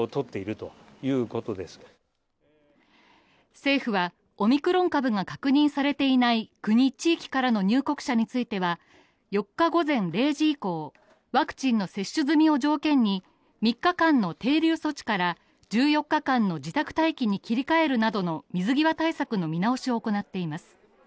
政府はオミクロン株が確認されていない国、地域からの入国者については、４日午前０時以降、ワクチンの接種済みを条件に３日間の停留措置から１４日間の自宅待機に切り替えるなどの水際対策の見直しを行っています。